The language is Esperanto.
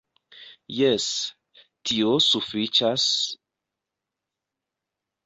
Jes, tio sufiĉas...